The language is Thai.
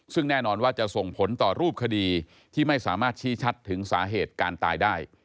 ซึ่งแน่นอนว่าจะส่งผลต่อรูปคดีที่ไม่สามารถชี้ชัดถึงสาเหตุการตายได้